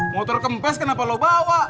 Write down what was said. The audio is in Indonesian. motor kempes kenapa lo bawa